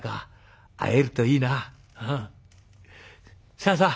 さあさあ